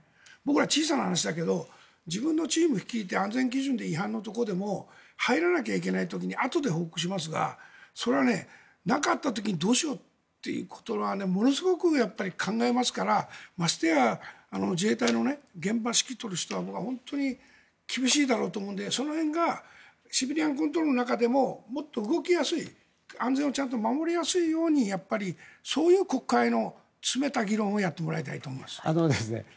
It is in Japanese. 小さな話だけど自分のチームを率いて安全基準で違反のところでも入らなきゃいけないところにあとで報告しますがそれは、なかった時にどうしようっていうことがものすごく考えますからましてや自衛隊の現場の指揮を執る人は僕は本当に厳しいだろうと思うのでその辺がシビリアンコントロールの中でももっと動きやすい安全をちゃんと守りやすいようにそういう国会の詰めた議論をやってもらいたいと思います。